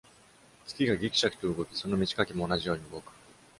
月がぎくしゃくと動き、その満ち欠けも同じように動く。